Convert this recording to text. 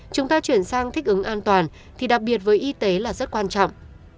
chúng ta chuyển sang thích ứng an toàn thì đặc biệt với y tế là rất quan trọng